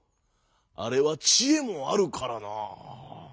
あれはちえもあるからな」。